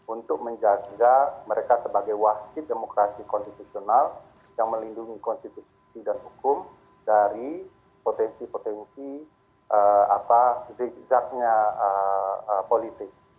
untuk menjaga mereka sebagai wasit demokrasi konstitusional yang melindungi konstitusi dan hukum dari potensi potensi zigzagnya politik